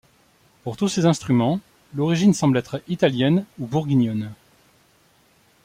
Pour tous ces instruments, l'origine semble être italienne ou bourguignonne.